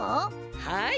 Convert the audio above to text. はい。